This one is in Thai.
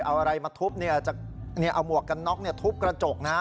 เอาอะไรมาทุบเนี่ยจะเอาหมวกกันน็อกทุบกระจกนะ